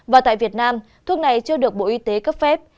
và tại việt nam thuốc này chưa được bộ y tế cấp phép